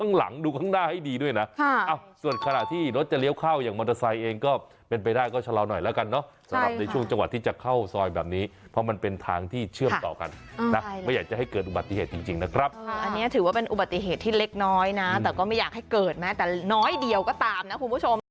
ในช่วงจังหวะที่จะเข้าซ่อยแบบนี้เพราะมันเป็นทางที่เชื่อมต่อกันนะไม่อยากจะให้เกิดอุบัติเหตุจริงนะครับอันนี้ถือว่าเป็นอุบัติเหตุที่เล็กน้อยนะแต่ก็ไม่อยากให้เกิดนะแต่น้อยเดียวก็ตามนะคุณผู้ชม